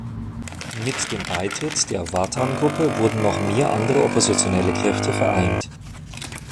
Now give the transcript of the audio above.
Mit dem Beitritt der Vatan-Gruppe wurden noch mehr andere oppositionelle Kräfte vereint.